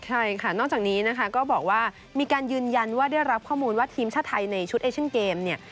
ใช่ค่ะนอกจากนี้นะคะก็บอกว่ามีการยืนยันว่าได้รับข้อมูลว่าทีมชาติไทยในชุดเอเชนเกมเนี่ย